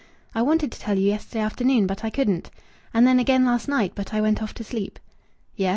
"I wanted to tell you yesterday afternoon, but I couldn't. And then again last night, but I went off to sleep." "Yes?"